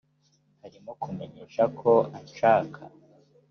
harimo kumenyesha ko anshaka